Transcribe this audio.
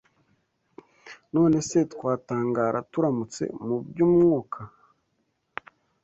None se twatangara turamutse mu by’umwuka